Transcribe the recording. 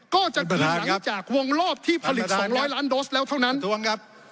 ก็จะคืนหลังจากวงรอบที่ผลิต๒๐๐ล้านโดสแล้วเท่านั้นครับ